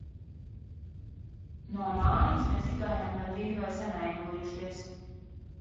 No mājas mēs izgājām gandrīz vai sanaidojušies.